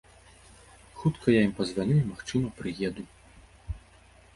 Хутка я ім пазваню і, магчыма, прыеду.